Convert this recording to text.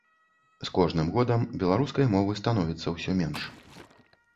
З кожным годам беларускай мовы становіцца ўсё менш.